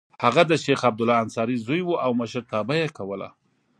هغه د شیخ عبدالله انصاري زوی و او مشرتابه یې کوله.